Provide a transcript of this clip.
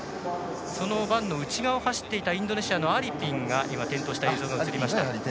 そのバンの内側を走っていたインドネシアのアリピンが転倒した映像が映りました。